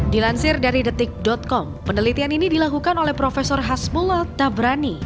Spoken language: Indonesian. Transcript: dilansir dari detik com penelitian ini dilakukan oleh prof hasmula tabrani